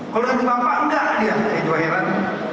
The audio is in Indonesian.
kalau dengan bapak enggak dia itu heran